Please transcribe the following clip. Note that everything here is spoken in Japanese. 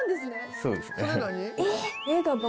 そうですね。